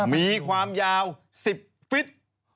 มีความยาว๑๐ฟิต